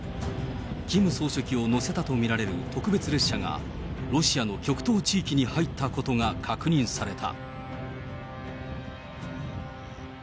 キム総書記を乗せたと見られる特別列車が、ロシアの極東地域に入ったことが確認された。